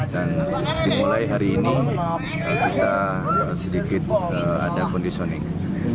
dan dimulai hari ini kita sedikit ada conditioning